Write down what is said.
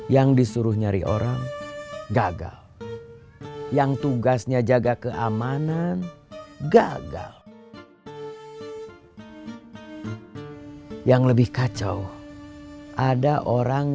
yang disuruh nyari orang gagal yang tugasnya jaga keamanan gagal yang lebih kacau ada orang